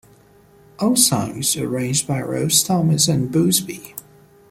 All songs arranged by Rosie Thomas and busbee.